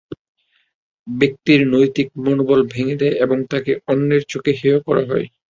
ব্যক্তির নৈতিক মনোবল ভেঙে দেয় এবং তাকে অন্যের চোখে হেয় করা হয়।